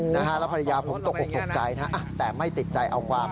แล้วภรรยาผมตกออกตกใจนะแต่ไม่ติดใจเอาความ